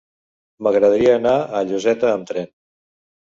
M'agradaria anar a Lloseta amb tren.